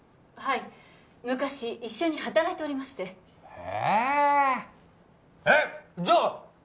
はい昔一緒に働いておりましてへええっじゃあ